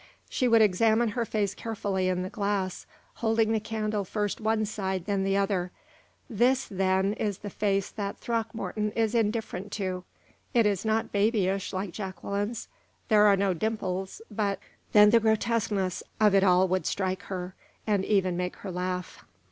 She would examine her face carefully in the glass, holding the candle first one side, then the other. "This, then, is the face that Throckmorton is indifferent to. It is not babyish, like Jacqueline's; there are no dimples, but " Then the grotesqueness of it all would strike her, and even make her laugh.